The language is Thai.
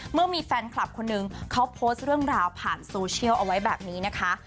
เมื่อมีแฟนคลับคนนึงเขาโพสต์เรื่องราวผ่านโซเชียลเอาไว้แบบนี้นะคะ